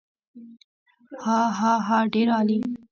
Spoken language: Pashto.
هاهاها ډېر عالي.